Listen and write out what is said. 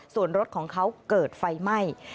ส่วนรถของเขาเกิดไฟไหม้